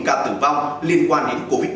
ca tử vong liên quan đến covid một mươi chín